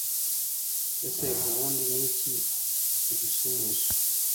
ese ubundi niki kigushimisha